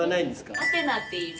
アテナっていいます。